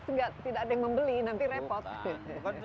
tidak ada yang membeli nanti repot